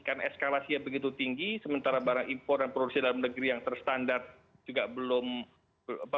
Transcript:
karena eskalasi yang begitu tinggi sementara barang impor dan produsen dalam negeri yang terstandar juga belum banyak dihasilkan